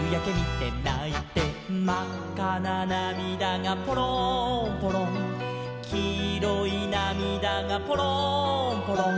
「まっかななみだがぽろんぽろん」「きいろいなみだがぽろんぽろん」